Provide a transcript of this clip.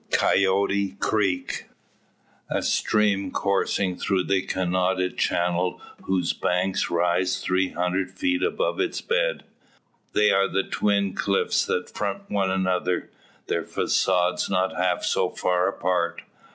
COYOTE CREEK. A stream coursing through a canoned channel whose banks rise three hundred feet above its bed. They are twin cliffs that front one another, their facades not half so far apart.